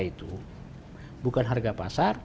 itu bukan harga pasar